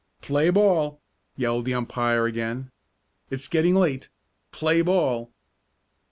"Play ball!" yelled the umpire again. "It's getting late. Play ball!"